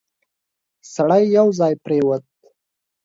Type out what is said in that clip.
سړی یو ځای پرېووت.